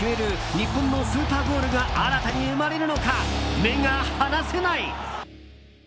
日本のスーパーゴールが新たに生まれるのか目が離せない！